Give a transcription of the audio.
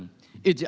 ij'alu fi buyu tikun